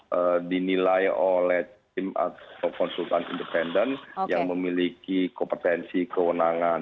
dan juga dinilai oleh tim atau konsultan independen yang memiliki kompetensi kewenangan